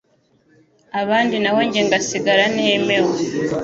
abandi naho jye ngasigara ntemewe.”